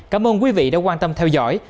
cảm ơn quý vị đã quan tâm theo dõi